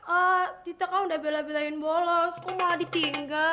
ee tita kan udah bela belain bolos kok malah ditinggal